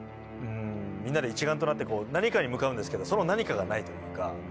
みんなで一丸となって何かに向かうんですけどその何かがないというか。